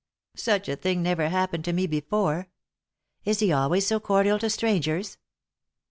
Such a thing never happened to me before. Is he always so cordial to strangers?"